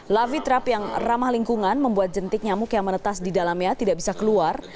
lafitrap yang ramah lingkungan membuat jentik nyamuk yang menetas di dalamnya tidak bisa keluar